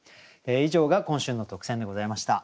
以上が今週の特選でございました。